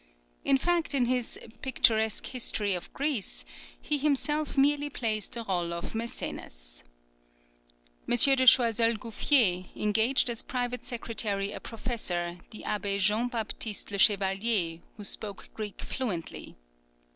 In fact, in his "Picturesque History of Greece" he himself merely plays the rôle of Mæcenas. M. de Choiseul Gouffier engaged as private secretary a professor, the Abbé Jean Baptiste Le Chevalier, who spoke Greek fluently.